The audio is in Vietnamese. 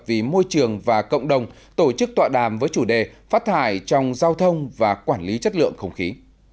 vì môi trường và cộng đồng tổ chức tọa đàm với chủ đề phát thải trong giao thông và quản lý chất lượng không khí